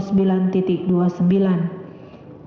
keterangan ahli kelas dua puluh sembilan